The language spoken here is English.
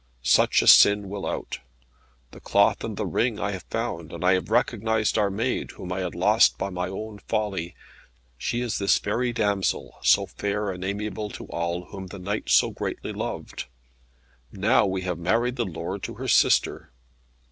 Such a sin will out. The cloth and the ring I have found, and I have recognised our maid, whom I had lost by my own folly. She is this very damsel so fair and amiable to all whom the knight so greatly loved. Now we have married the lord to her sister."